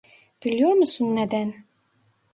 Biliyor musun neden?